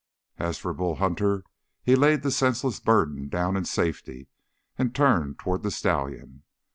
As for Bull Hunter, he laid the senseless burden down in safety, and turned toward the stallion.